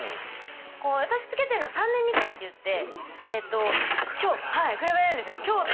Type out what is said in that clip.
私つけてるの３年日記っていって比べられるんですよ。